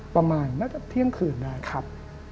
ประมาณน่าจะเที่ยงคืนได้ครับ